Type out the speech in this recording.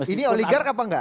ini oligark apa enggak